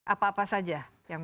apa apa saja yang